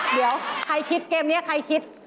เดี๋ยวใครคิดเกมนี้ใครคิด